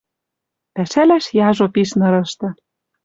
«Пӓшӓлӓш яжо пиш нырышты.